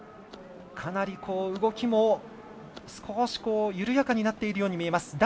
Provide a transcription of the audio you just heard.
かなり動きも少し緩やかになっているように見えます。